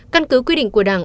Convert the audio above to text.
căn cứ quy định của đảng